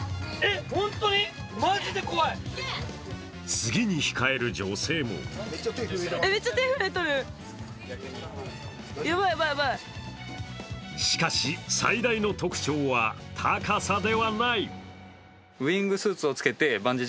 次に控える女性もしかし、最大の特徴は高さではない。